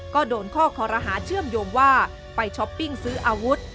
ก็โดนข้อคอรหาเชื่อมโยงว่าไปช้อปปิ้งซื้ออาวุธ